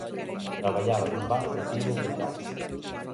Traballaba nun bar que tivo pechar.